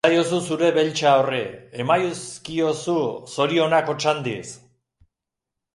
Esaiozu zure Beltxa horri, emazkiozu zorionak hotsandiz!.